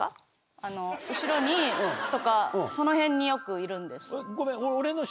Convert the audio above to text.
後ろにとかその辺によくいるんです。